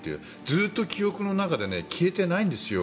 ずっと記憶の中で消えていないんですよ